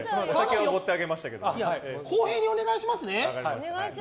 公平にお願いしますね。